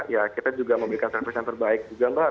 ya kita juga memberikan service yang terbaik juga mbak